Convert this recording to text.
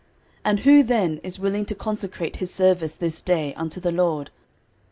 And who then is willing to consecrate his service this day unto the LORD?